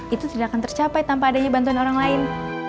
itu tidak akan tercapai tanpa adanya bantuan orang lain